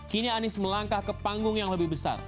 kini anies melangkah ke panggung yang lebih besar